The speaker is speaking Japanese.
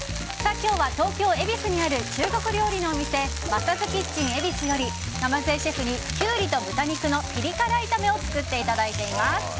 今日は東京・恵比寿にある中国料理のお店ＭＡＳＡ’ＳＫＩＴＣＨＥＮ恵比寿より鯰江シェフにキュウリと豚肉のピリ辛炒めを作っていただいています。